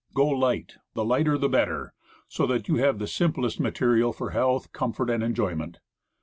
Go light; the lighter the better, so that you have the simplest materiel for health, comfort and enjoy ment.